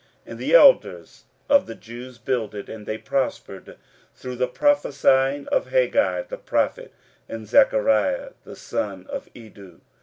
15:006:014 And the elders of the Jews builded, and they prospered through the prophesying of Haggai the prophet and Zechariah the son of Iddo.